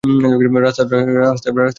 রাস্তায় বেরুলে মাথা ঘোরে।